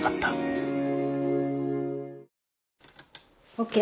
ＯＫ。